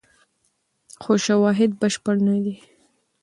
خو شواهد بشپړ نه دي.